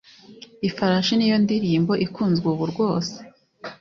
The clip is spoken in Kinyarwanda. Ifarashi niyo ndirimbo ikunzwe ubu rwose